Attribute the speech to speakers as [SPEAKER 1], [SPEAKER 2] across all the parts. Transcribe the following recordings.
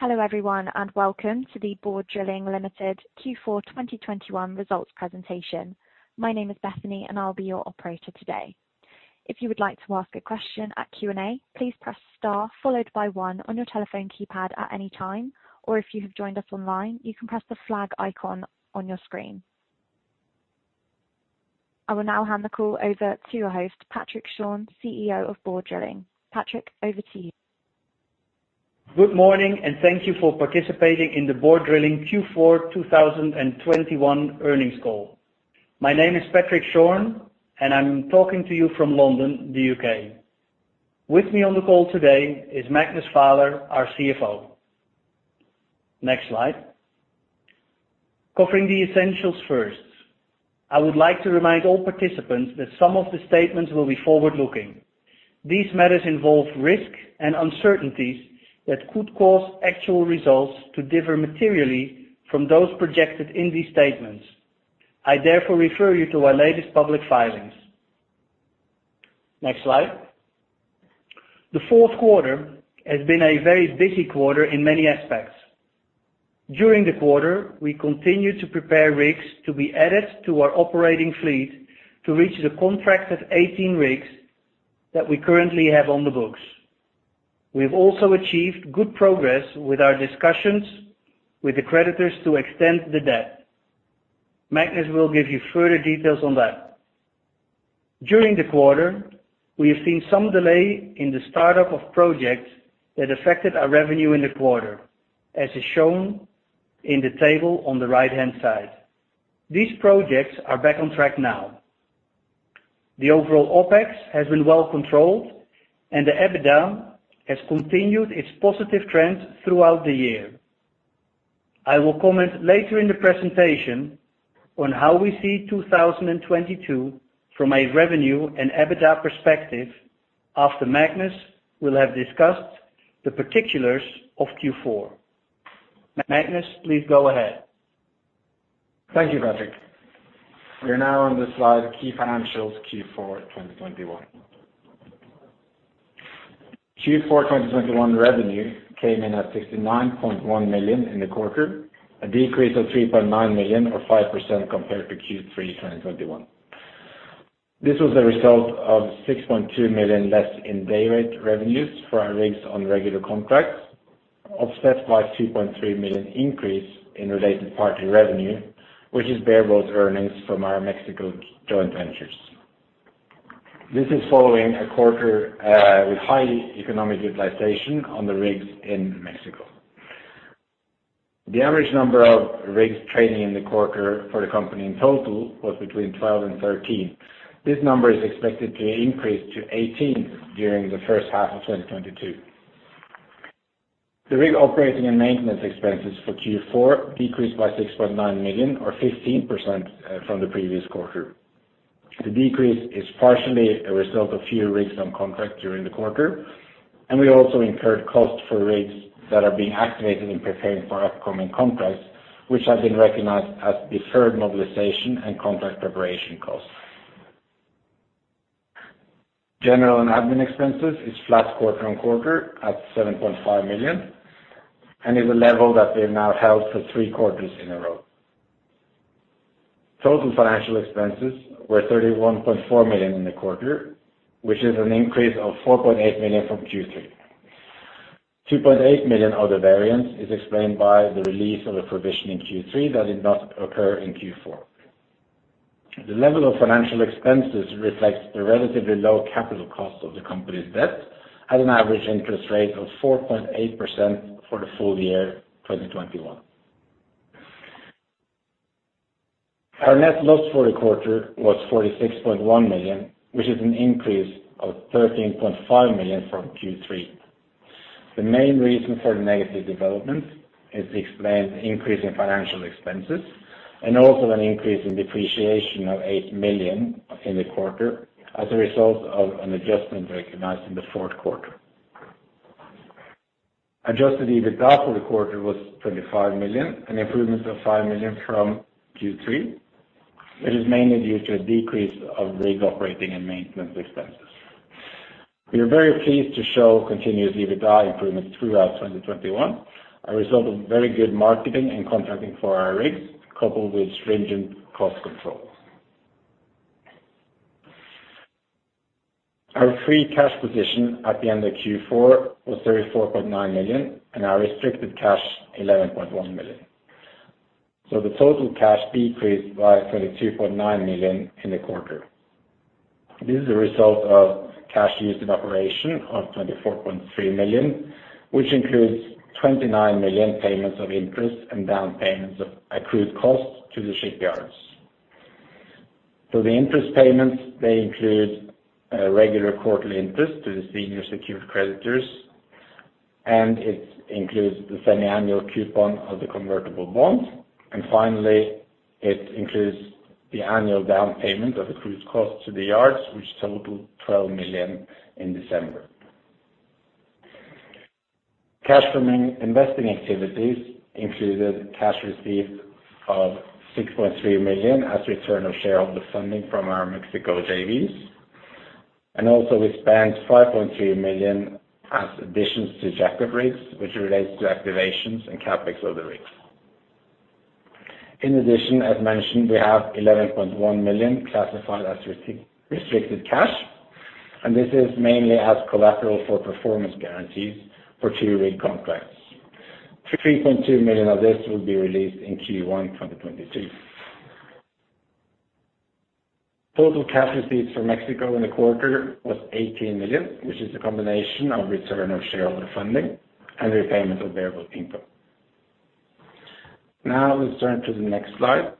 [SPEAKER 1] Hello, everyone, and welcome to the Borr Drilling Limited Q4 2021 results presentation. My name is Bethany, and I'll be your operator today. If you would like to ask a question at Q&A, please press star followed by one on your telephone keypad at any time, or if you have joined us online, you can press the flag icon on your screen. I will now hand the call over to your host, Patrick Schorn, CEO of Borr Drilling. Patrick, over to you.
[SPEAKER 2] Good morning, and thank you for participating in the Borr Drilling Q4 2021 earnings call. My name is Patrick Schorn, and I'm talking to you from London, the U.K. With me on the call today is Magnus Vaaler, our CFO. Next slide. Covering the essentials first, I would like to remind all participants that some of the statements will be forward-looking. These matters involve risk and uncertainties that could cause actual results to differ materially from those projected in these statements. I therefore refer you to our latest public filings. Next slide. Q4 has been a very busy quarter in many aspects. During the quarter, we continued to prepare rigs to be added to our operating fleet to reach the contract of 18 rigs that we currently have on the books. We've also achieved good progress with our discussions with the creditors to extend the debt. Magnus will give you further details on that. During the quarter, we have seen some delay in the startup of projects that affected our revenue in the quarter, as is shown in the table on the right-hand side. These projects are back on track now. The overall OpEx has been well-controlled, and the EBITDA has continued its positive trend throughout the year. I will comment later in the presentation on how we see 2022 from a revenue and EBITDA perspective after Magnus will have discussed the particulars of Q4. Magnus, please go ahead.
[SPEAKER 3] Thank you, Patrick. We are now on the slide, key financials, Q4 2021. Q4 2021 revenue came in at $69.1 million in the quarter, a decrease of $3.9 million or 5% compared to Q3 2021. This was a result of $6.2 million less in dayrate revenues for our rigs on regular contracts, offset by $2.3 million increase in related party revenue, which is bareboat earnings from our Mexico joint ventures. This is following a quarter with high economic utilization on the rigs in Mexico. The average number of rigs trading in the quarter for the company in total was between 12 and 13. This number is expected to increase to 18 during the first half of 2022. The rig operating and maintenance expenses for Q4 decreased by $6.9 million or 15% from the previous quarter. The decrease is partially a result of fewer rigs on contract during the quarter, and we also incurred costs for rigs that are being activated and preparing for upcoming contracts, which have been recognized as deferred mobilization and contract preparation costs. General and admin expenses is flat quarter-over-quarter at $7.5 million, and is a level that we have now held for three quarters in a row. Total financial expenses were $31.4 million in the quarter, which is an increase of $4.8 million from Q3. $2.8 million of the variance is explained by the release of a provision in Q3 that did not occur in Q4. The level of financial expenses reflects the relatively low capital cost of the company's debt at an average interest rate of 4.8% for the full-year 2021. Our net loss for the quarter was $46.1 million, which is an increase of $13.5 million from Q3. The main reason for the negative development is an increase in financial expenses and also an increase in depreciation of $8 million in the quarter as a result of an adjustment recognized in Q4. Adjusted EBITDA for the quarter was $25 million, an improvement of $5 million from Q3, which is mainly due to a decrease of rig operating and maintenance expenses. We are very pleased to show continuous EBITDA improvements throughout 2021, a result of very good marketing and contracting for our rigs, coupled with stringent cost control. Our free cash position at the end of Q4 was $34.9 million, and our restricted cash, $11.1 million. The total cash decreased by $22.9 million in the quarter. This is a result of cash used in operations of $24.3 million, which includes $29 million payments of interest and down payments of accrued costs to the shipyards. The interest payments, they include regular quarterly interest to the senior secured creditors, and it includes the semiannual coupon of the convertible bonds. Finally, it includes the annual down payment of accrued costs to the yards, which total $12 million in December. Cash from investing activities included cash received of $6.3 million as return of shareholder funding from our Mexico JVs. We also spent $5.3 million as additions to jackup rigs, which relates to activations and CapEx of the rigs. In addition, as mentioned, we have $11.1 million classified as restricted cash, and this is mainly as collateral for performance guarantees for 2 rig contracts. $3.2 million of this will be released in Q1 2022. Total cash receipts for Mexico in the quarter was $18 million, which is a combination of return of shareholder funding and repayment of variable income. Now let's turn to the next slide.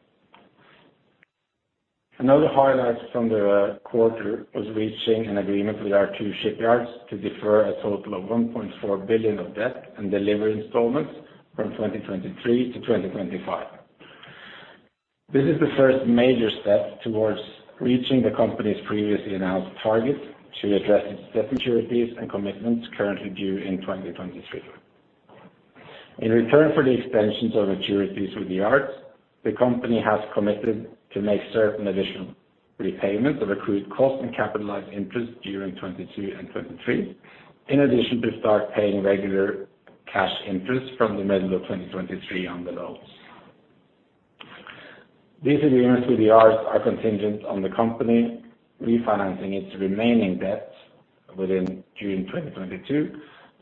[SPEAKER 3] Another highlight from the quarter was reaching an agreement with our two shipyards to defer a total of $1.4 billion of debt and delivery installments from 2023 to 2025. This is the first major step towards reaching the company's previously announced target to address its debt maturities and commitments currently due in 2023. In return for the extensions of maturities with the yards, the company has committed to make certain additional repayments of accrued cost and capitalized interest during 2022 and 2023, in addition to start paying regular cash interest from the middle of 2023 on the loans. These agreements with the yards are contingent on the company refinancing its remaining debt within June 2022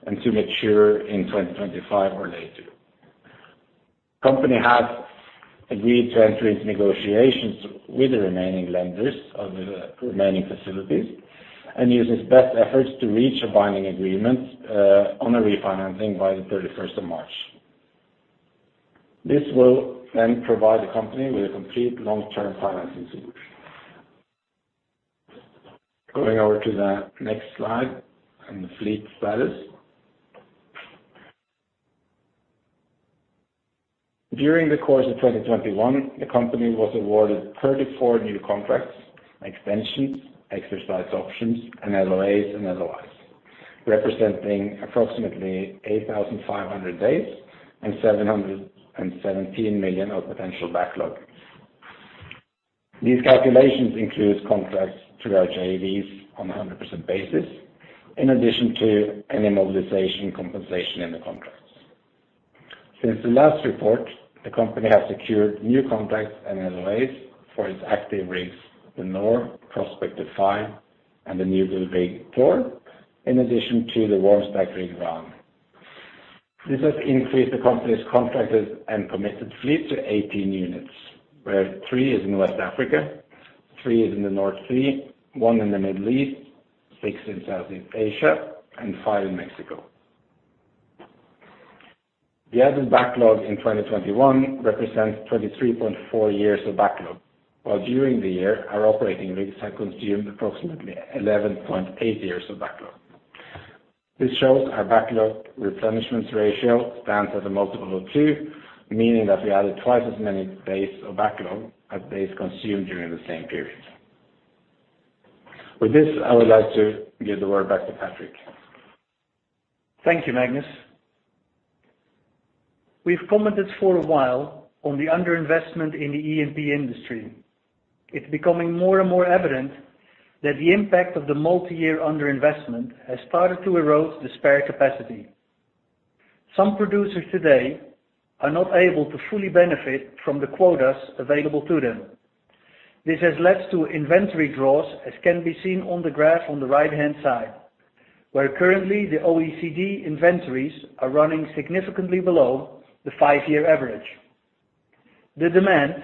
[SPEAKER 3] and to mature in 2025 or later. The company has agreed to enter into negotiations with the remaining lenders of the remaining facilities and use its best efforts to reach a binding agreement on the refinancing by the 31st of March. This will then provide the company with a complete long-term financing solution. Going over to the next slide on the fleet status. During the course of 2021, the company was awarded 34 new contracts, extensions, exercise options, and LOAs and LOIs, representing approximately 8,500 days and $717 million of potential backlog. These calculations include contracts through our JVs on a 100% basis, in addition to any mobilization compensation in the contracts. Since the last report, the company has secured new contracts and LOAs for its active rigs, the Norve, Prospector V, and the newbuild Vale, in addition to the warm stack rig, Ran. This has increased the company's contracted and permitted fleet to 18 units, where three is in West Africa, three is in the North Sea, one in the Middle East, six in Southeast Asia, and five in Mexico. The added backlog in 2021 represents 23.4 years of backlog, while during the year, our operating rigs have consumed approximately 11.8 years of backlog. This shows our backlog replenishment ratio stands at a multiple of 2, meaning that we added twice as many days of backlog as days consumed during the same period. With this, I would like to give the word back to Patrick.
[SPEAKER 2] Thank you, Magnus. We've commented for a while on the underinvestment in the E&P industry. It's becoming more and more evident that the impact of the multi-year underinvestment has started to erode the spare capacity. Some producers today are not able to fully benefit from the quotas available to them. This has led to inventory draws, as can be seen on the graph on the right-hand side, where currently the OECD inventories are running significantly below the five-year average. The demand,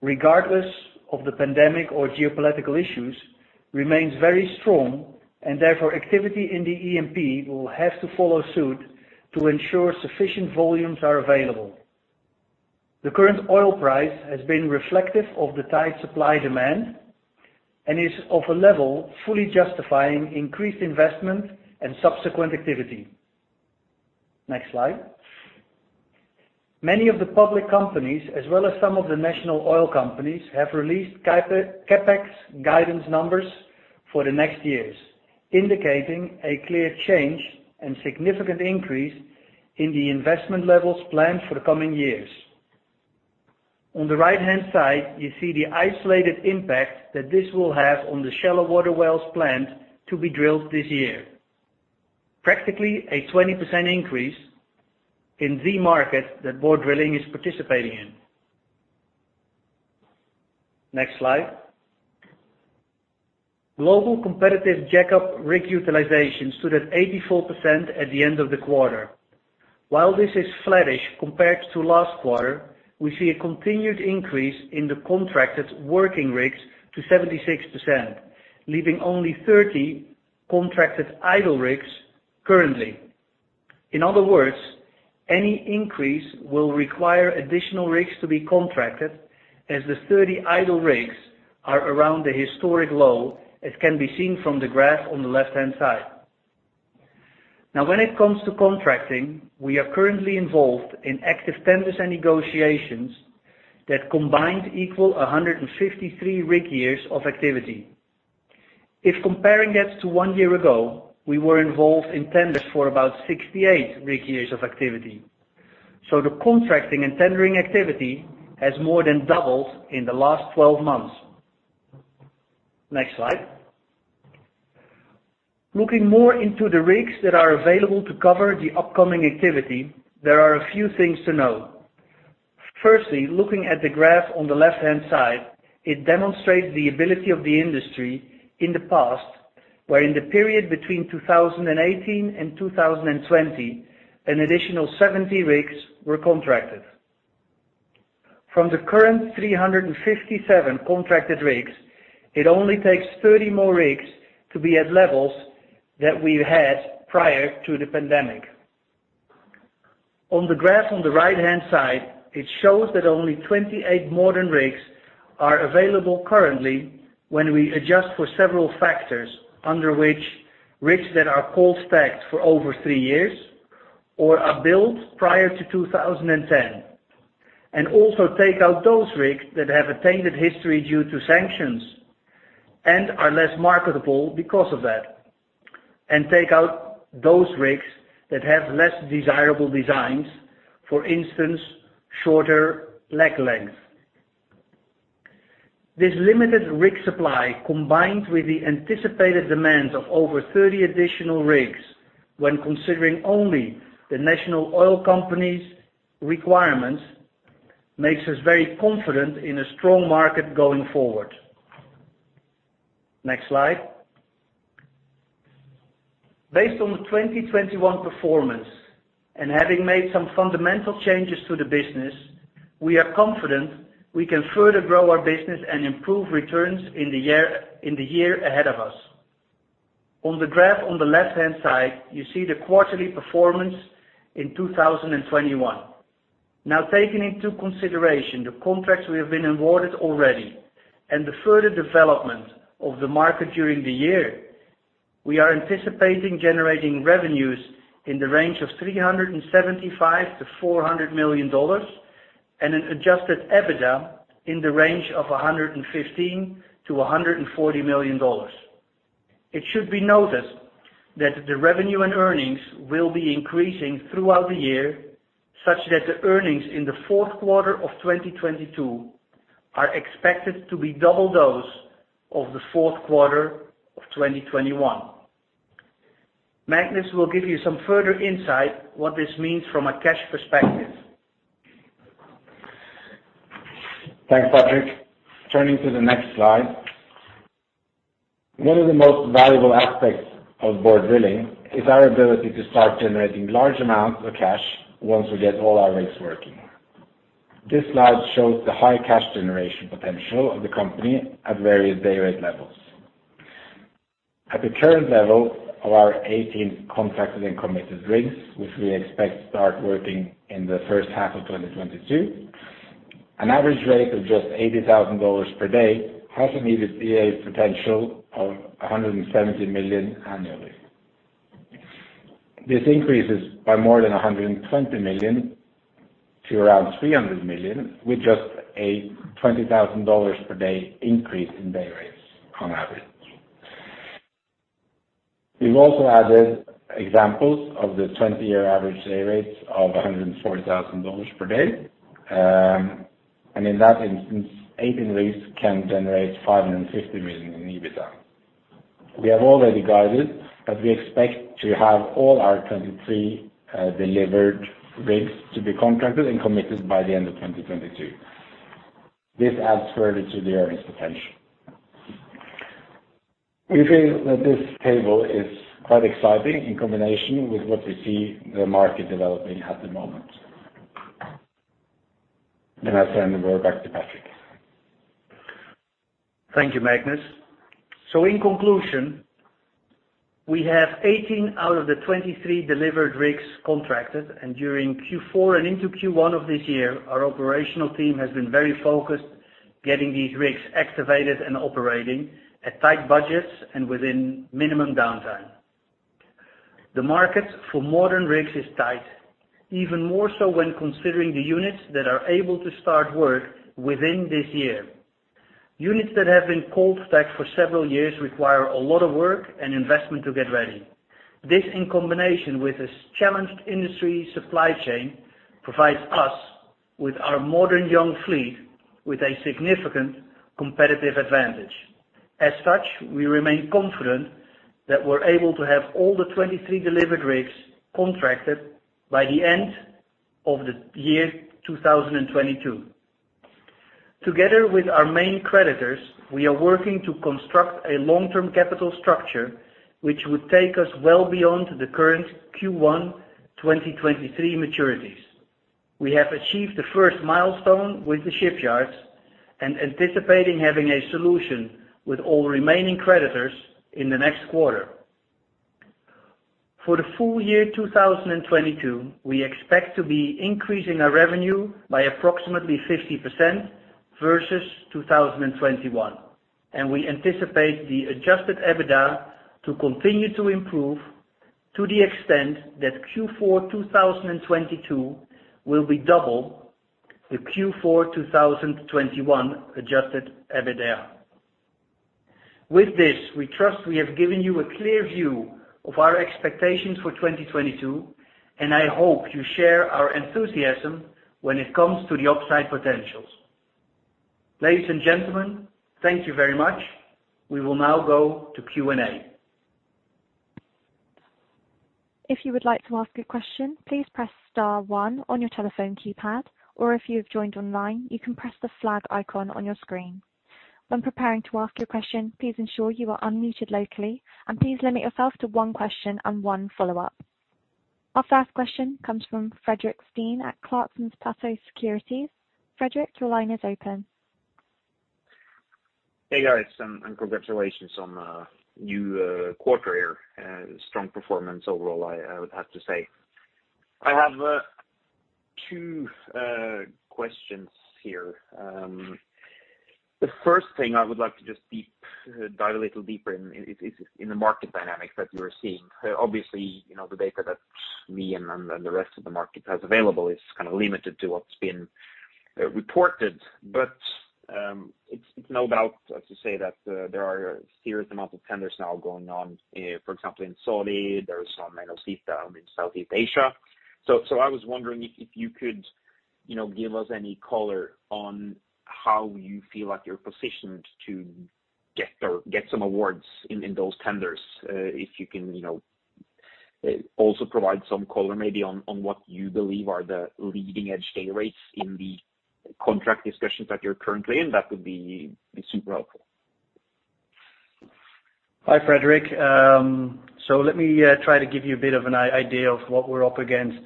[SPEAKER 2] regardless of the pandemic or geopolitical issues, remains very strong, and therefore, activity in the E&P will have to follow suit to ensure sufficient volumes are available. The current oil price has been reflective of the tight supply-demand and is of a level fully justifying increased investment and subsequent activity. Next slide. Many of the public companies, as well as some of the national oil companies, have released CapEx guidance numbers for the next years, indicating a clear change and significant increase in the investment levels planned for the coming years. On the right-hand side, you see the isolated impact that this will have on the shallow water wells planned to be drilled this year. Practically a 20% increase in the market that Borr Drilling is participating in. Next slide. Global competitive jackup rig utilization stood at 84% at the end of the quarter. While this is flattish compared to last quarter, we see a continued increase in the contracted working rigs to 76%, leaving only 30 contracted idle rigs currently. In other words, any increase will require additional rigs to be contracted as the 30 idle rigs are around the historic low, as can be seen from the graph on the left-hand side. Now when it comes to contracting, we are currently involved in active tenders and negotiations that combined equal 153 rig years of activity. If comparing that to one year ago, we were involved in tenders for about 68 rig years of activity. So the contracting and tendering activity has more than doubled in the last 12 months. Next slide. Looking more into the rigs that are available to cover the upcoming activity, there are a few things to know. Firstly, looking at the graph on the left-hand side, it demonstrates the ability of the industry in the past, where in the period between 2018 and 2020, an additional 70 rigs were contracted. From the current 357 contracted rigs, it only takes 30 more rigs to be at levels that we had prior to the pandemic. On the graph on the right-hand side, it shows that only 28 modern rigs are available currently when we adjust for several factors, under which rigs that are cold stacked for over three years or are built prior to 2010, also take out those rigs that have a tainted history due to sanctions and are less marketable because of that, take out those rigs that have less desirable designs, for instance, shorter leg length. This limited rig supply, combined with the anticipated demand of over 30 additional rigs when considering only the national oil company's requirements, makes us very confident in a strong market going forward. Next slide. Based on the 2021 performance, and having made some fundamental changes to the business, we are confident we can further grow our business and improve returns in the year, in the year ahead of us. On the graph on the left-hand side, you see the quarterly performance in 2021. Now, taking into consideration the contracts we have been awarded already and the further development of the market during the year, we are anticipating generating revenues in the range of $375 million-$400 million, and an adjusted EBITDA in the range of $115 million-$140 million. It should be noted that the revenue and earnings will be increasing throughout the year, such that the earnings in Q4 of 2022 are expected to be double those of Q4 of 2021. Magnus will give you some further insight what this means from a cash perspective.
[SPEAKER 3] Thanks, Patrick. Turning to the next slide. One of the most valuable aspects of Borr Drilling is our ability to start generating large amounts of cash once we get all our rigs working. This slide shows the high cash generation potential of the company at various dayrate levels. At the current level of our 18 contracted and committed rigs, which we expect to start working in the first half of 2022, an average rate of just $80,000 per day has an EBITDA potential of $170 million annually. This increases by more than $120 million to around $300 million with just a $20,000 per day increase in dayrates on average. We've also added examples of the 20-year average day rates of $140,000 per day. In that instance, 18 rigs can generate $550 million in EBITDA. We have already guided that we expect to have all our 23 delivered rigs to be contracted and committed by the end of 2022. This adds further to the earnings potential. We feel that this table is quite exciting in combination with what we see the market developing at the moment. I'll turn the floor back to Patrick.
[SPEAKER 2] Thank you, Magnus. In conclusion, we have 18 out of the 23 delivered rigs contracted, and during Q4 and into Q1 of this year, our operational team has been very focused getting these rigs activated and operating at tight budgets and within minimum downtime. The market for modern rigs is tight, even more so when considering the units that are able to start work within this year. Units that have been cold stacked for several years require a lot of work and investment to get ready. This, in combination with a challenged industry supply chain, provides us with our modern young fleet with a significant competitive advantage. As such, we remain confident that we're able to have all the 23 delivered rigs contracted by the end of the year 2022. Together with our main creditors, we are working to construct a long-term capital structure which would take us well beyond the current Q1 2023 maturities. We have achieved the first milestone with the shipyards and anticipating having a solution with all remaining creditors in the next quarter. For the full-year 2022, we expect to be increasing our revenue by approximately 50% versus 2021, and we anticipate the adjusted EBITDA to continue to improve to the extent that Q4 2022 will be double the Q4 2021 adjusted EBITDA. With this, we trust we have given you a clear view of our expectations for 2022, and I hope you share our enthusiasm when it comes to the upside potentials. Ladies and gentlemen, thank you very much. We will now go to Q&A.
[SPEAKER 1] If you would like to ask a question, please press star one on your telephone keypad, or if you have joined online, you can press the flag icon on your screen. When preparing to ask your question, please ensure you are unmuted locally, and please limit yourself to one question and one follow-up. Our first question comes from Fredrik Stene at Clarksons Platou Securities. Fredrik, your line is open.
[SPEAKER 4] Hey, guys, congratulations on a new quarter here. Strong performance overall, I would have to say. I have two questions here. The first thing I would like to just dive a little deeper in is in the market dynamics that you are seeing. Obviously, you know, the data that me and the rest of the market has available is kinda limited to what's been reported. It's no doubt, as you say, that there are a serious amount of tenders now going on, for example, in Saudi. There are some in Southeast Asia. I was wondering if you could, you know, give us any color on how you feel like you're positioned to get some awards in those tenders. If you can, you know, also provide some color maybe on what you believe are the leading edge day rates in the contract discussions that you're currently in, that would be super helpful.
[SPEAKER 2] Hi, Fredrik. Let me try to give you a bit of an idea of what we're up against.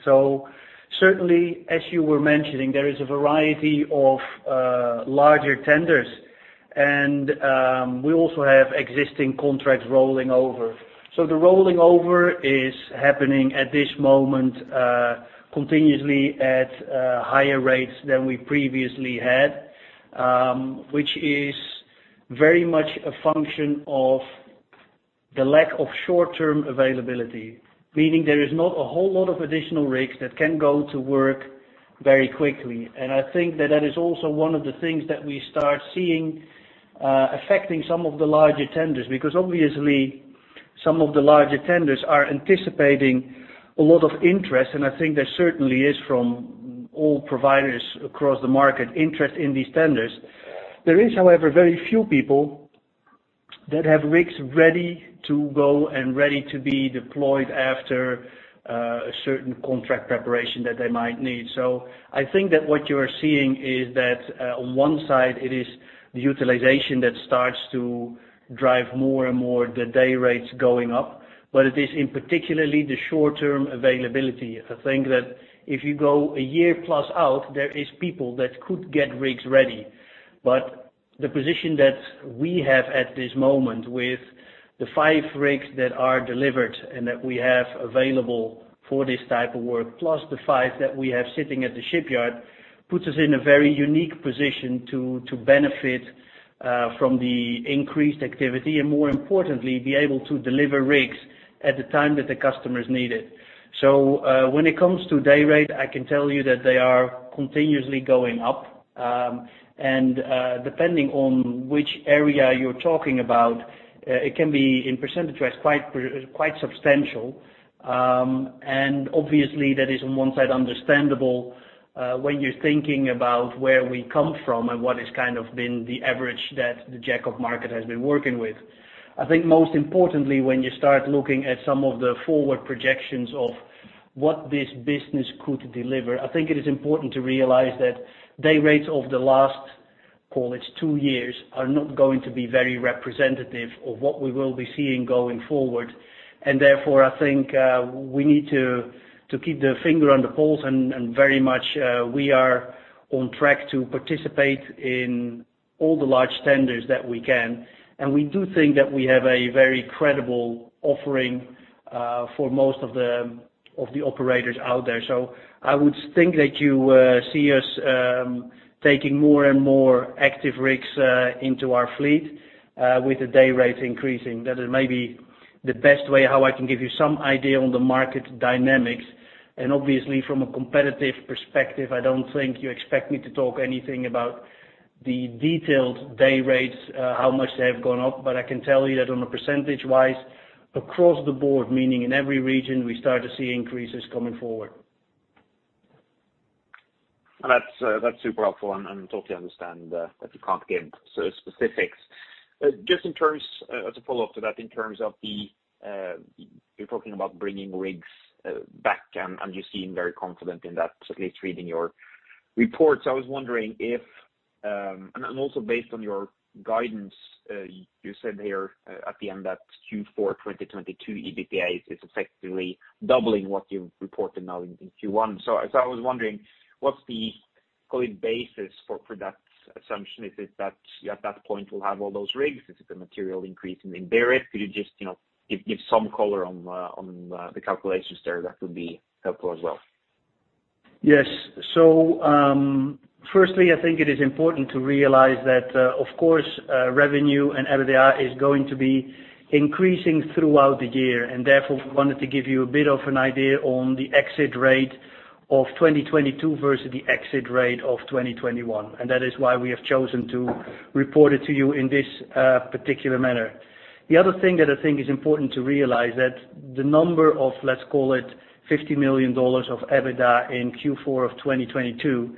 [SPEAKER 2] Certainly, as you were mentioning, there is a variety of larger tenders, and we also have existing contracts rolling over. The rolling over is happening at this moment continuously at higher rates than we previously had, which is very much a function of the lack of short-term availability. Meaning there is not a whole lot of additional rigs that can go to work very quickly. I think that is also one of the things that we start seeing affecting some of the larger tenders, because obviously, some of the larger tenders are anticipating a lot of interest, and I think there certainly is from all providers across the market, interest in these tenders. There is, however, very few people that have rigs ready to go and ready to be deployed after a certain contract preparation that they might need. I think that what you're seeing is that, on one side, it is the utilization that starts to drive more and more the day rates going up. It is in particular the short-term availability. I think that if you go a year plus out, there is people that could get rigs ready. The position that we have at this moment with the five rigs that are delivered and that we have available for this type of work, plus the five that we have sitting at the shipyard, puts us in a very unique position to benefit from the increased activity, and more importantly, be able to deliver rigs at the time that the customers need it. When it comes to day rate, I can tell you that they are continuously going up. Depending on which area you're talking about, it can be, in percentage rates, quite substantial. Obviously, that is on one side understandable when you're thinking about where we come from and what has kind of been the average that the jackup market has been working with. I think most importantly, when you start looking at some of the forward projections of what this business could deliver, I think it is important to realize that day rates of the last, call it two years, are not going to be very representative of what we will be seeing going forward. Therefore, I think, we need to keep the finger on the pulse and very much, we are on track to participate in all the large tenders that we can. We do think that we have a very credible offering for most of the operators out there. I would think that you see us taking more and more active rigs into our fleet with the day rates increasing. That is maybe the best way how I can give you some idea on the market dynamics. Obviously from a competitive perspective, I don't think you expect me to talk anything about the detailed day rates, how much they have gone up. I can tell you that on a percentage-wise, across the board, meaning in every region, we start to see increases coming forward.
[SPEAKER 4] That's super helpful, and I totally understand that you can't give sort of specifics. Just as a follow-up to that, in terms of the, you're talking about bringing rigs back, and you seem very confident in that, certainly reading your reports. I was wondering, and also based on your guidance, you said here, at the end that Q4 2022 EBITDA is effectively doubling what you've reported now in Q1. I was wondering, what's the, call it, basis for that assumption? Is it that at that point we'll have all those rigs? Is it a material increase in the day rate? Could you just, you know, give some color on the calculations there? That would be helpful as well.
[SPEAKER 2] Yes. Firstly, I think it is important to realize that, of course, revenue and EBITDA is going to be increasing throughout the year. Therefore, we wanted to give you a bit of an idea on the exit rate of 2022 versus the exit rate of 2021, and that is why we have chosen to report it to you in this particular manner. The other thing that I think is important to realize that the number of, let's call it $50 million of EBITDA in Q4 of 2022,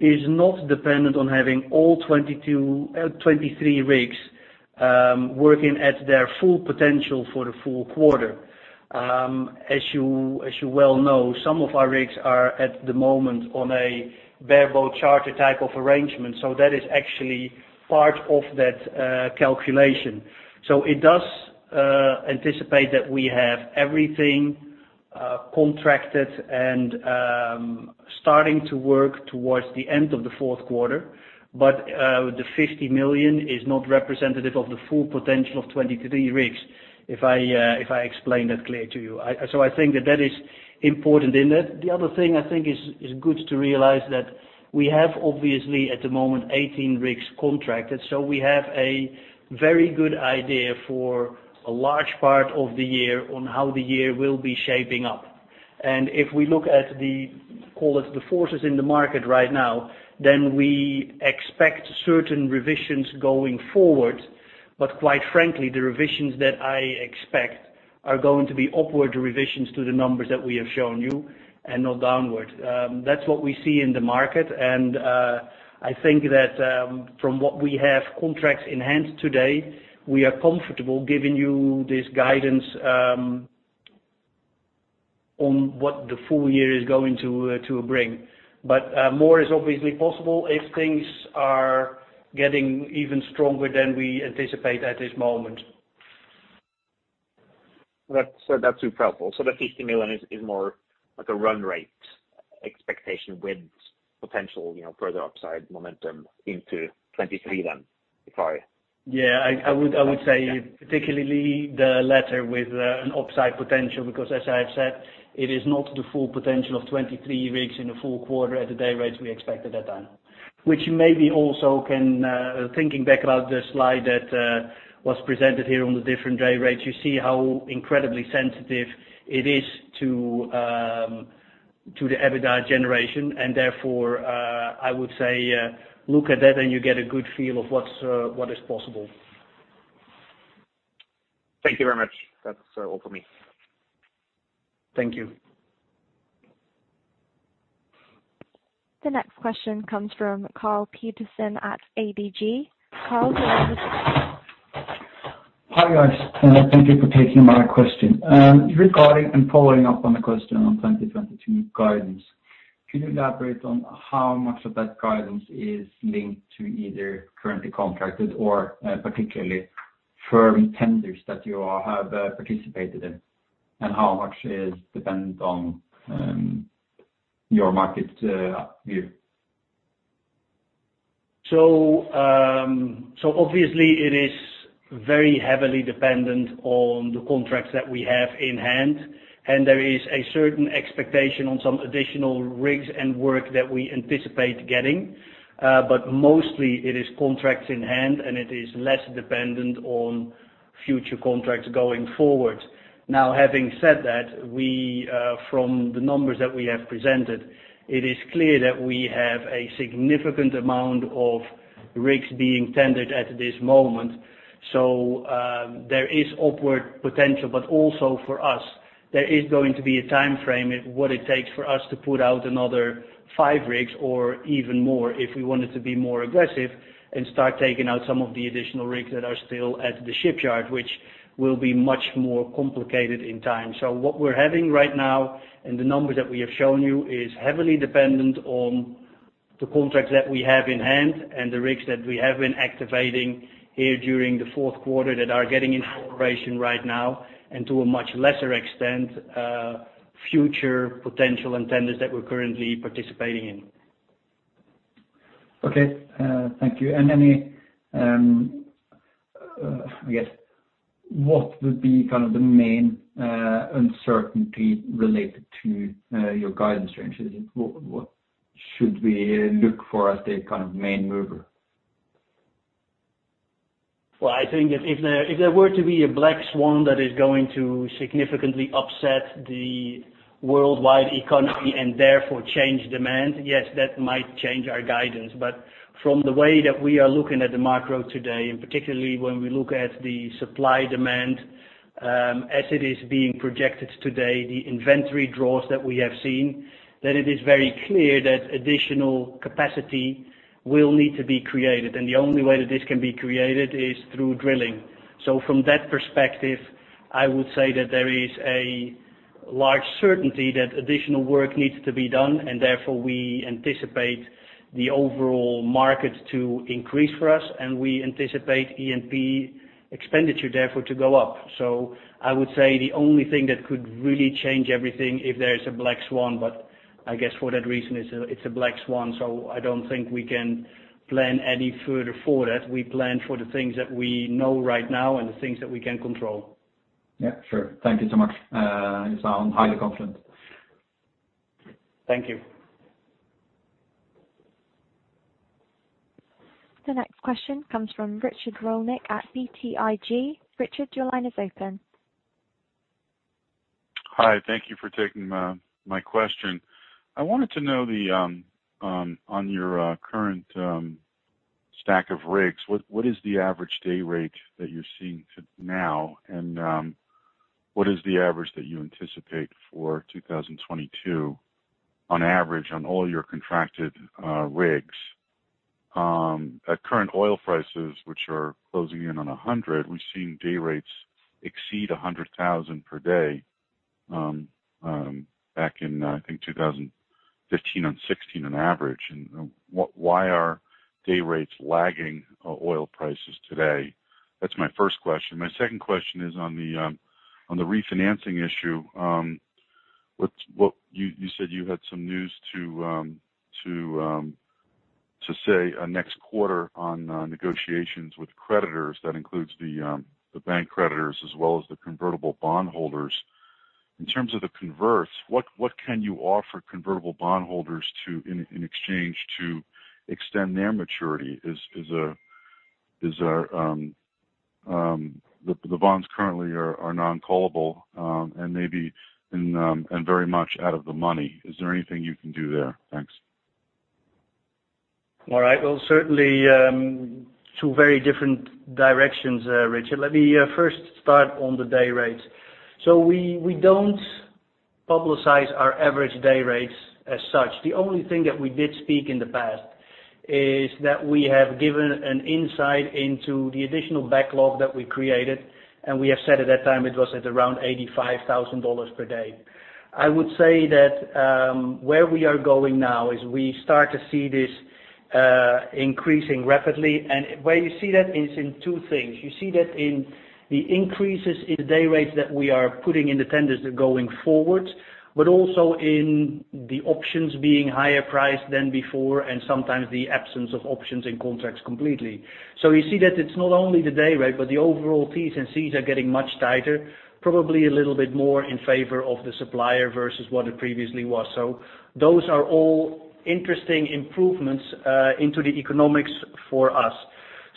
[SPEAKER 2] is not dependent on having all 22, 23 rigs working at their full potential for the full quarter. As you well know, some of our rigs are, at the moment, on a bareboat charter type of arrangement. That is actually part of that calculation. It does anticipate that we have everything contracted and starting to work towards the end of Q4. The $50 million is not representative of the full potential of 23 rigs, if I explain that clear to you. I think that is important in it. The other thing I think is good to realize that we have, obviously, at the moment, 18 rigs contracted. We have a very good idea for a large part of the year on how the year will be shaping up. If we look at the, call it, the forces in the market right now, then we expect certain revisions going forward. Quite frankly, the revisions that I expect are going to be upward revisions to the numbers that we have shown you, and not downward. That's what we see in the market, and I think that from what we have contracts in hand today, we are comfortable giving you this guidance on what the full year is going to bring. More is obviously possible if things are getting even stronger than we anticipate at this moment.
[SPEAKER 4] That's too powerful. The $50 million is more like a run rate expectation with potential, you know, further upside momentum into 2023 then, if I-
[SPEAKER 2] Yeah. I would say particularly the latter with an upside potential. Because as I have said, it is not the full potential of 23 rigs in a full quarter at the day rates we expect at that time. Which you maybe also can thinking back about the slide that was presented here on the different day rates, you see how incredibly sensitive it is to the EBITDA generation. Therefore, I would say, look at that and you get a good feel of what is possible.
[SPEAKER 4] Thank you very much. That's all for me.
[SPEAKER 2] Thank you.
[SPEAKER 1] The next question comes from Karl Pettersen at ABG. Karl, go ahead.
[SPEAKER 5] Hi, guys. Thank you for taking my question. Regarding and following up on the question on 2022 guidance, could you elaborate on how much of that guidance is linked to either currently contracted or particularly firm tenders that you all have participated in? How much is dependent on your market view?
[SPEAKER 2] Obviously it is very heavily dependent on the contracts that we have in hand, and there is a certain expectation on some additional rigs and work that we anticipate getting. Mostly it is contracts in hand, and it is less dependent on future contracts going forward. Now, having said that, we, from the numbers that we have presented, it is clear that we have a significant amount of rigs being tendered at this moment. There is upward potential, but also for us, there is going to be a timeframe in what it takes for us to put out another five rigs or even more if we wanted to be more aggressive and start taking out some of the additional rigs that are still at the shipyard, which will be much more complicated in time. What we're having right now, and the numbers that we have shown you, is heavily dependent on the contracts that we have in hand and the rigs that we have been activating here during Q4 that are getting in operation right now, and to a much lesser extent, future potential and tenders that we're currently participating in.
[SPEAKER 5] Okay. Thank you. Any, I guess, what would be kind of the main uncertainty related to your guidance ranges? What would be kind of the main mover?
[SPEAKER 2] Well, I think if there were to be a black swan that is going to significantly upset the worldwide economy and therefore change demand, yes, that might change our guidance. From the way that we are looking at the macro today, and particularly when we look at the supply-demand, as it is being projected today, the inventory draws that we have seen, that it is very clear that additional capacity will need to be created. The only way that this can be created is through drilling. From that perspective, I would say that there is a large certainty that additional work needs to be done, and therefore we anticipate the overall market to increase for us, and we anticipate E&P expenditure therefore to go up. I would say the only thing that could really change everything if there is a black swan, but I guess for that reason, it's a black swan, so I don't think we can plan any further for that. We plan for the things that we know right now and the things that we can control.
[SPEAKER 5] Yeah, sure. Thank you so much. You sound highly confident.
[SPEAKER 2] Thank you.
[SPEAKER 1] The next question comes from Richard Rolnick at BTIG. Richard, your line is open.
[SPEAKER 6] Hi, thank you for taking my question. I wanted to know on your current stacked rigs, what is the average day rate that you're seeing today? What is the average that you anticipate for 2022 on average on all your contracted rigs? At current oil prices, which are closing in on $100, we're seeing day rates exceed $100,000 per day back in, I think, 2015 and 2016 on average. Why are day rates lagging oil prices today? That's my first question. My second question is on the refinancing issue. What you said you had some news to say next quarter on negotiations with creditors. That includes the bank creditors as well as the convertible bond holders. In terms of the converts, what can you offer convertible bond holders in exchange to extend their maturity? Are the bonds currently non-callable and very much out of the money? Is there anything you can do there? Thanks.
[SPEAKER 2] All right. Certainly, two very different directions, Richard. Let me first start on the day rates. We don't publicize our average day rates as such. The only thing that we did speak in the past is that we have given an insight into the additional backlog that we created, and we have said at that time it was at around $85,000 per day. I would say that, where we are going now is we start to see this increasing rapidly. Where you see that is in two things. You see that in the increases in the day rates that we are putting in the tenders going forward, but also in the options being higher priced than before, and sometimes the absence of options in contracts completely. You see that it's not only the day rate, but the overall Ts and Cs are getting much tighter, probably a little bit more in favor of the supplier versus what it previously was. Those are all interesting improvements into the economics for us.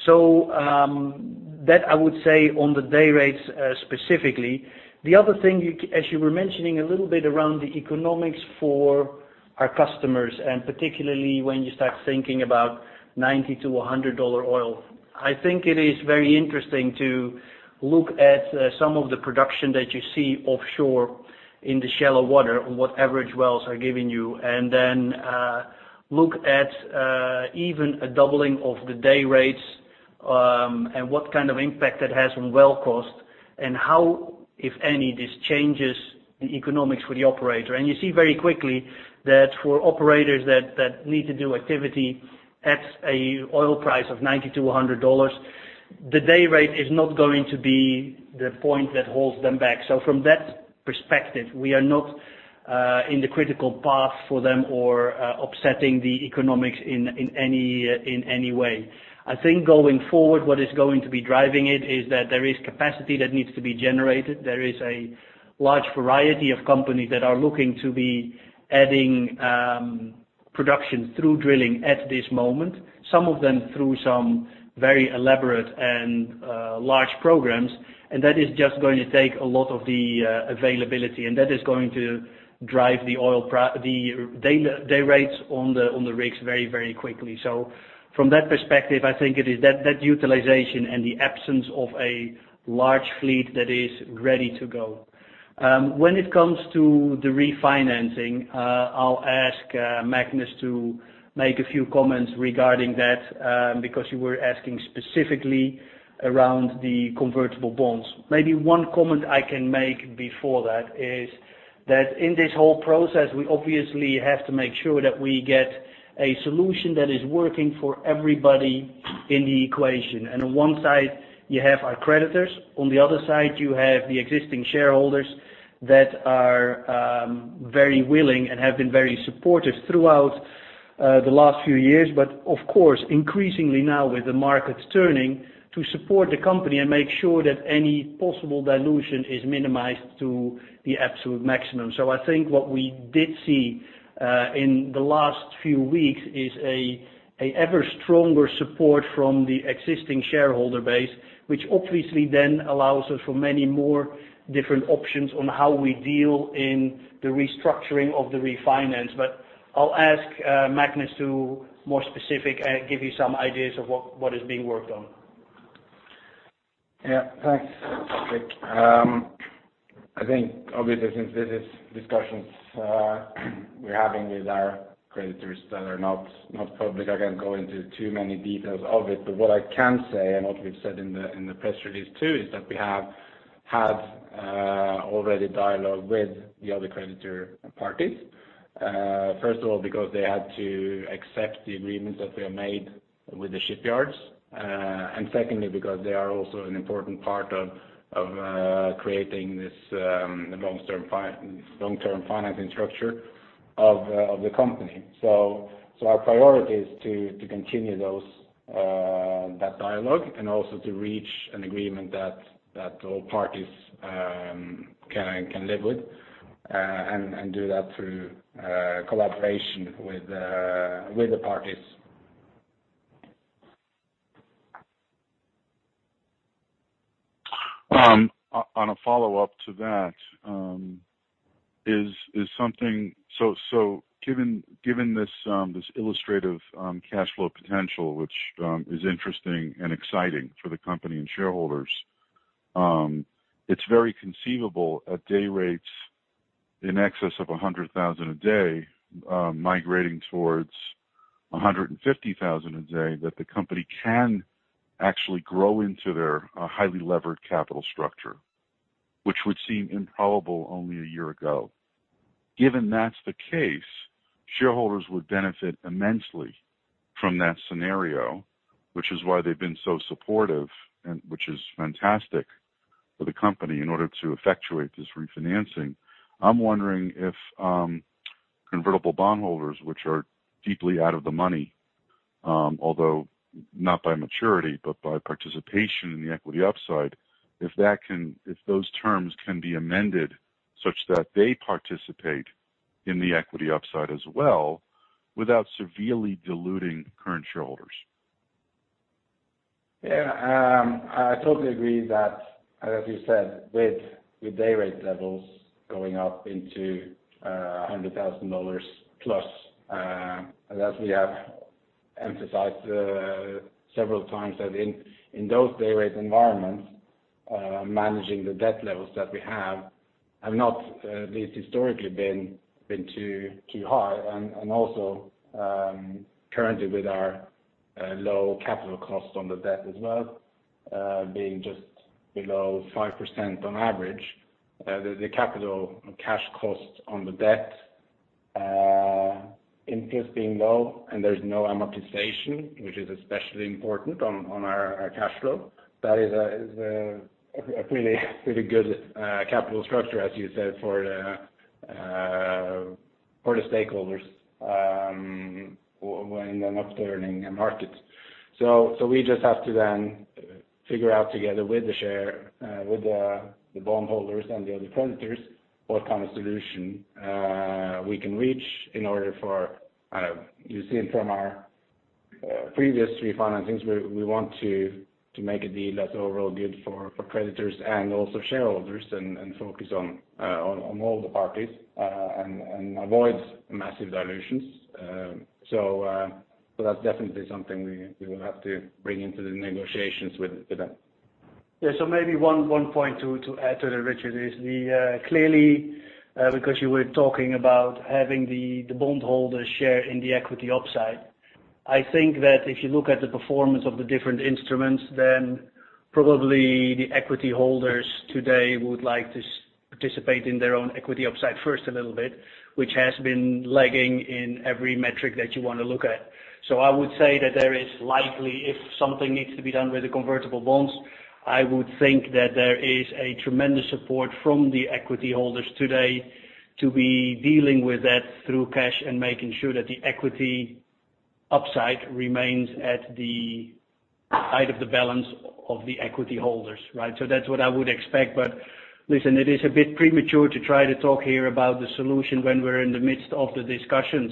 [SPEAKER 2] That I would say on the day rates specifically. The other thing as you were mentioning a little bit around the economics for our customers, and particularly when you start thinking about $90-$100 oil, I think it is very interesting to look at some of the production that you see offshore in the shallow water on what average wells are giving you. Then, look at even a doubling of the day rates, and what kind of impact that has on well cost and how, if any, this changes the economics for the operator. You see very quickly that for operators that need to do activity at an oil price of $90-$100, the day rate is not going to be the point that holds them back. From that perspective, we are not in the critical path for them or upsetting the economics in any way. I think going forward, what is going to be driving it is that there is capacity that needs to be generated. There is a large variety of companies that are looking to be adding production through drilling at this moment. Some of them through some very elaborate and large programs, and that is just going to take a lot of the availability, and that is going to drive the day rates on the rigs very quickly. From that perspective, I think it is that utilization and the absence of a large fleet that is ready to go. When it comes to the refinancing, I'll ask Magnus to make a few comments regarding that, because you were asking specifically around the convertible bonds. Maybe one comment I can make before that is that in this whole process, we obviously have to make sure that we get a solution that is working for everybody in the equation. On one side, you have our creditors. On the other side, you have the existing shareholders that are very willing and have been very supportive throughout the last few years. Of course, increasingly now with the markets turning to support the company and make sure that any possible dilution is minimized to the absolute maximum. I think what we did see in the last few weeks is ever stronger support from the existing shareholder base, which obviously then allows us for many more different options on how we deal in the restructuring of the refinance. I'll ask Magnus to be more specific and give you some ideas of what is being worked on.
[SPEAKER 3] Yeah. Thanks, Richard. I think obviously since this is discussions we're having with our creditors that are not public, I can't go into too many details of it. What I can say, and what we've said in the press release too, is that we have had already dialogue with the other creditor parties. First of all, because they had to accept the agreements that we have made with the shipyards. Secondly, because they are also an important part of creating this long-term financing structure of the company. Our priority is to continue those dialogue and also to reach an agreement that all parties can live with, and do that through collaboration with the parties.
[SPEAKER 6] On a follow-up to that, given this illustrative cash flow potential, which is interesting and exciting for the company and shareholders, it's very conceivable at day rates in excess of $100,000 a day, migrating towards $150,000 a day, that the company can actually grow into their highly levered capital structure, which would seem improbable only a year ago. Given that's the case, shareholders would benefit immensely from that scenario, which is why they've been so supportive and which is fantastic for the company in order to effectuate this refinancing. I'm wondering if convertible bondholders, which are deeply out of the money, although not by maturity, but by participation in the equity upside, if those terms can be amended such that they participate in the equity upside as well without severely diluting current shareholders.
[SPEAKER 3] Yeah. I totally agree that, as you said, with the day rate levels going up into $100,000 plus, and as we have emphasized several times that in those day rate environments, managing the debt levels that we have not, at least historically, been too high. Also, currently with our low capital cost on the debt as well, being just below 5% on average, the capital cash cost on the debt, interest being low, and there's no amortization, which is especially important on our cash flow. That is a pretty good capital structure, as you said, for the stakeholders, when an upturning market. We just have to figure out together with the bondholders and the other creditors what kind of solution we can reach in order for you've seen from our previous refinancings, we want to make a deal that's overall good for creditors and also shareholders and focus on all the parties and avoid massive dilutions. That's definitely something we will have to bring into the negotiations with them.
[SPEAKER 2] Yeah. Maybe one point to add to that, Richard, is clearly, because you were talking about having the bondholders share in the equity upside. I think that if you look at the performance of the different instruments, then probably the equity holders today would like to participate in their own equity upside first a little bit, which has been lagging in every metric that you wanna look at. I would say that there is likely if something needs to be done with the convertible bonds, I would think that there is a tremendous support from the equity holders today to be dealing with that through cash and making sure that the equity upside remains at the side of the balance of the equity holders, right? That's what I would expect. Listen, it is a bit premature to try to talk here about the solution when we're in the midst of the discussions.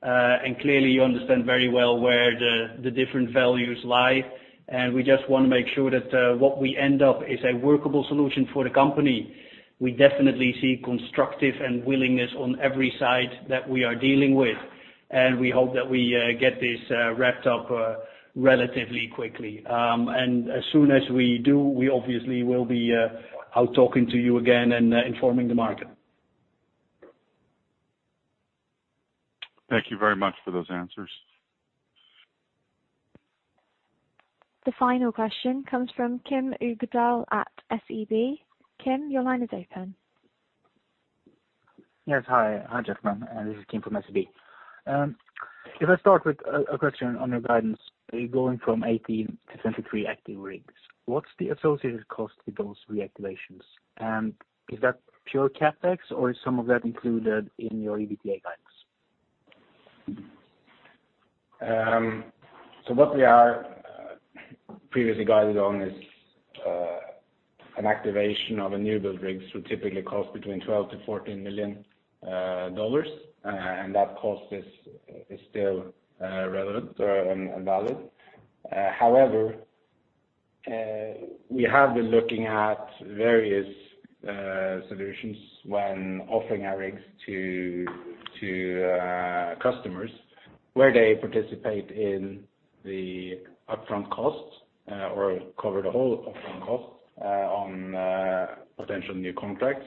[SPEAKER 2] And clearly you understand very well where the different values lie, and we just wanna make sure that what we end up is a workable solution for the company. We definitely see constructive and willingness on every side that we are dealing with, and we hope that we get this wrapped up relatively quickly. And as soon as we do, we obviously will be out talking to you again and informing the market.
[SPEAKER 6] Thank you very much for those answers.
[SPEAKER 1] The final question comes from Kim Uggedal at SEB. Kim, your line is open.
[SPEAKER 7] Yes. Hi. Hi, gentlemen, this is Kim from SEB. If I start with a question on your guidance, are you going from 18 to 23 active rigs? What's the associated cost to those reactivations? Is that pure CapEx or is some of that included in your EBITDA guidance?
[SPEAKER 3] What we are previously guided on is an activation of a newbuild rigs would typically cost between $12 million-$14 million, and that cost is still relevant and valid. However, we have been looking at various solutions when offering our rigs to customers where they participate in the upfront costs or cover the whole upfront costs on potential new contracts,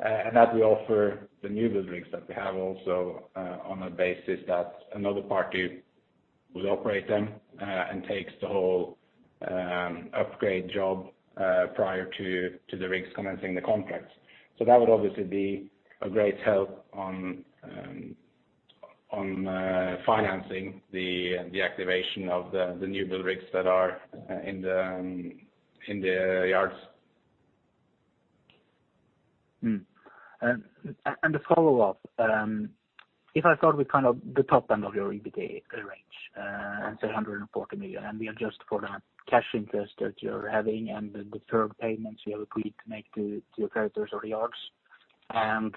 [SPEAKER 3] and that we offer the newbuild rigs that we have also on a basis that another party will operate them and takes the whole upgrade job prior to the rigs commencing the contracts. That would obviously be a great help on financing the activation of the newbuild rigs that are in the yards.
[SPEAKER 7] The follow-up, if I start with kind of the top-end of your EBITDA range, and say $140 million, and we adjust for the cash interest that you're having and the deferred payments you agreed to make to your creditors or the yards, and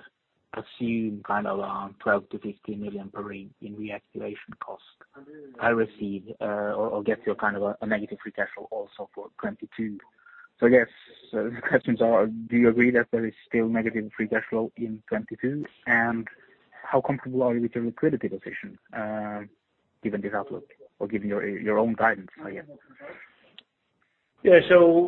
[SPEAKER 7] assume kind of around $12 million-$15 million per rig in reactivation costs, I receive or get to a kind of a negative free cash flow also for 2022. I guess the questions are, do you agree that there is still negative free cash flow in 2022? And how comfortable are you with your liquidity position, given this outlook or given your own guidance, I guess?
[SPEAKER 2] Yeah.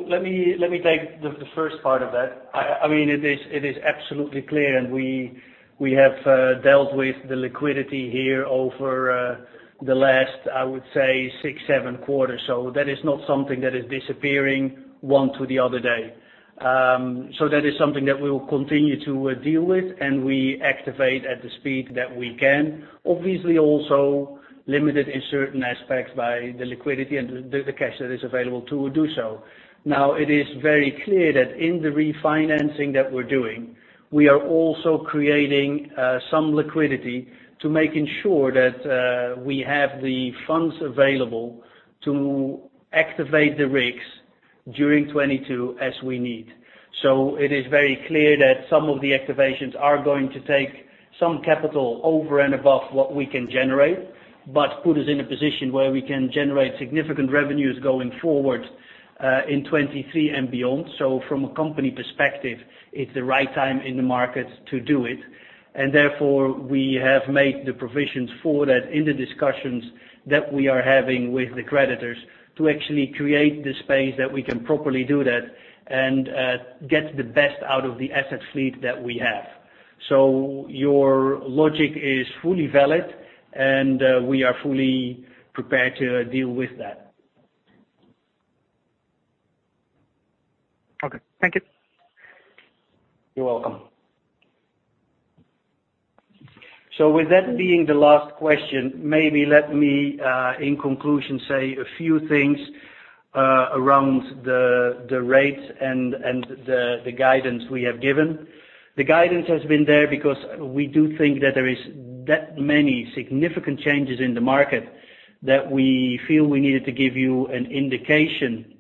[SPEAKER 2] Let me take the first part of that. I mean, it is absolutely clear, and we have dealt with the liquidity here over the last, I would say 6, 7 quarters. That is not something that is disappearing from one day to the other. That is something that we will continue to deal with, and we activate at the speed that we can. Obviously, also limited in certain aspects by the liquidity and the cash that is available to do so. Now it is very clear that in the refinancing that we're doing, we are also creating some liquidity to make sure that we have the funds available to activate the rigs during 2022 as we need. It is very clear that some of the activations are going to take some capital over and above what we can generate, but put us in a position where we can generate significant revenues going forward, in 2023 and beyond. From a company perspective, it's the right time in the market to do it. Therefore, we have made the provisions for that in the discussions that we are having with the creditors to actually create the space that we can properly do that and get the best out of the asset fleet that we have. Your logic is fully valid, and we are fully prepared to deal with that.
[SPEAKER 7] Okay. Thank you.
[SPEAKER 2] You're welcome. With that being the last question, maybe let me in conclusion say a few things around the rates and the guidance we have given. The guidance has been there because we do think that there is that many significant changes in the market that we feel we needed to give you an indication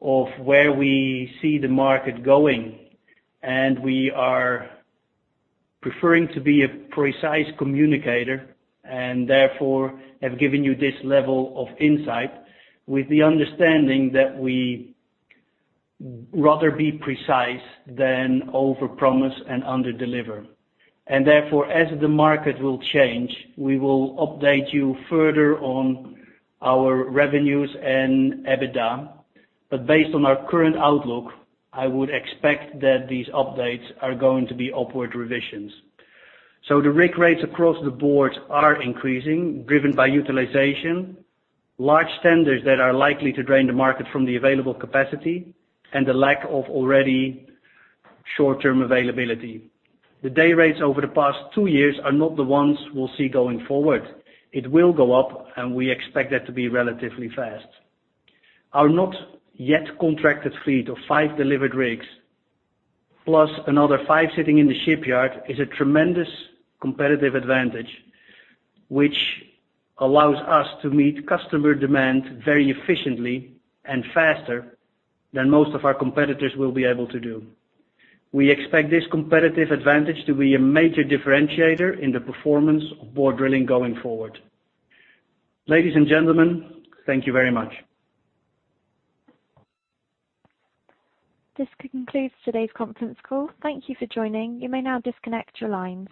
[SPEAKER 2] of where we see the market going, and we are preferring to be a precise communicator, and therefore have given you this level of insight with the understanding that we rather be precise than overpromise and underdeliver. Therefore, as the market will change, we will update you further on our revenues and EBITDA. Based on our current outlook, I would expect that these updates are going to be upward revisions. The rig rates across the board are increasing, driven by utilization, large tenders that are likely to drain the market from the available capacity, and the lack of already short-term availability. The day rates over the past 2 years are not the ones we'll see going forward. It will go up, and we expect that to be relatively fast. Our not yet contracted fleet of 5 delivered rigs, plus another 5 sitting in the shipyard, is a tremendous competitive advantage, which allows us to meet customer demand very efficiently and faster than most of our competitors will be able to do. We expect this competitive advantage to be a major differentiator in the performance of Borr Drilling going forward. Ladies and gentlemen, thank you very much.
[SPEAKER 1] This concludes today's Conference Call. Thank you for joining. You may now disconnect your lines.